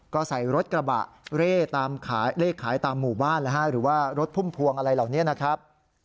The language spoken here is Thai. ก็ใส่รถกระบะเร่ตามขายเลขขายตามหมู่บ้านหรือว่ารถพุ่มพวงอะไรเหล่านี้นะครับ